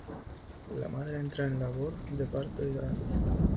La madre entra en labor de parto y da a luz.